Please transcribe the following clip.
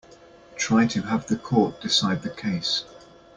Try to have the court decide the case.